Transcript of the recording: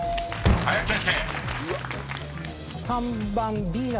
［林先生］